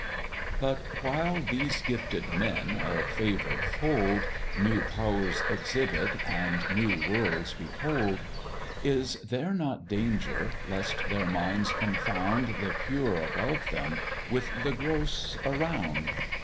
But while these gifted men, a favour'd fold, New powers exhibit and new worlds behold; Is there not danger lest their minds confound The pure above them with the gross around?